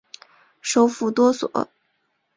首府多索。